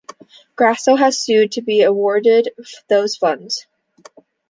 Grasso has sued to be awarded those funds.